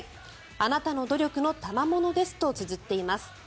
あなたの努力のたまものですとつづっています。